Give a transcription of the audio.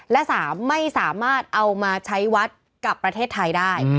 และ๓ไม่สามารถเอามาใช้วัดกับประเทศไทยได้